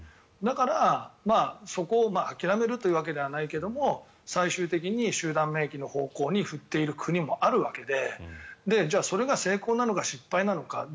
だから、そこを諦めるというわけではないけれど最終的に集団免疫の方向に振っている国もあるわけでじゃあそれが成功なのか失敗なのか。